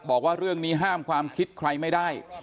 บอกว่าเรื่องนี้ห้ามความคิดใครไม่ได้